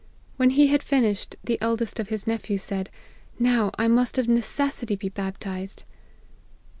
When he had finished, the eldest of his nephews said, ' Now I must of necessity be baptized.'